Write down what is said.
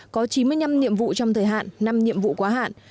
có chín mươi năm nhiệm vụ trong thời hạn năm nhiệm vụ quá hạn